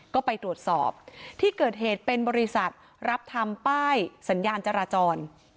ก็ไปตรวจสอบที่เกิดเหตุเป็นบริษัทรับทำป้ายสัญญาณจราจร